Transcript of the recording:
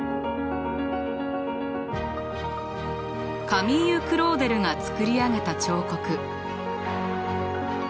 カミーユ・クローデルが作り上げた彫刻。